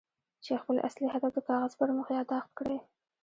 چې خپل اصلي هدف د کاغذ پر مخ ياداښت کړئ.